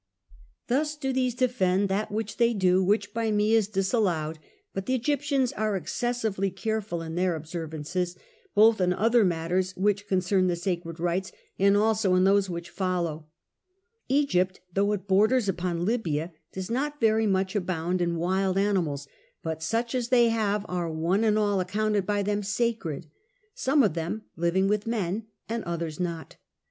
Thus do these defend that which they do, which by me is disallowed: but the Egyptians are excessively careful in their observances, both in other matters which concern the sacred rites and also in those which follow: Egypt, though it borders upon Libya, does not very much abound in wild animals, but such as they have are one and all accounted by them sacred, some of them living with men and others not.